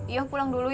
yuk pulang dulu ya